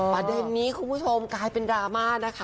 ประเด็นนี้คุณผู้ชมเป็นรามาด์นะคะ